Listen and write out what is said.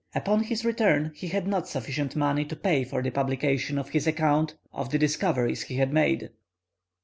Upon his return, he had not sufficient money to pay for the publication of his account of the discoveries he had made.